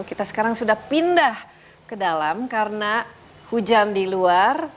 kita sekarang sudah pindah ke dalam karena hujan di luar